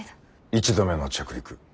１度目の着陸。